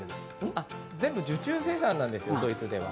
全部受注生産なんですよ、ドイツです。